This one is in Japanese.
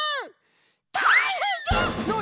たいへんじゃ！